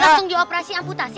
langsung dioperasi amputasi